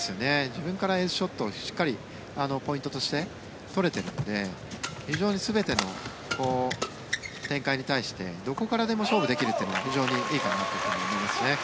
自分からエースショットをしっかりポイントとして取れているので非常に全ての展開に対してどこからでも勝負できるというのは非常にいいかなというふうに思いますね。